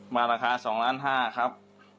มาราคา๒๕๐๐๐๐๐บาทครับ